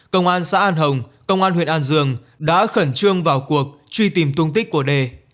công an xã an hồng công an huyện an dương đã khẩn trương vào cuộc truy tìm tung tích của đề